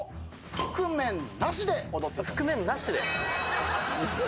覆面なしで？